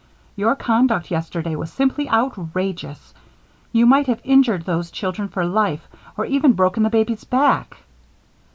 Your conduct yesterday was simply outrageous. You might have injured those children for life, or even broken the baby's back."